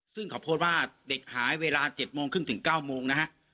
ซึ่งเขาโพสต์ว่าเด็กหายเวลา๗โมงครึ่งถึง๙โมงนะฮะ